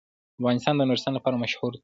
افغانستان د نورستان لپاره مشهور دی.